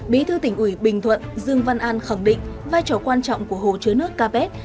bí thư tỉnh ủy bình thuận dương văn an khẳng định vai trò quan trọng của hồ chứa nước capet